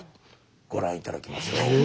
ご覧頂きましょう。え？